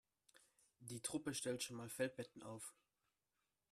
Die Truppe stellt schon mal Feldbetten auf.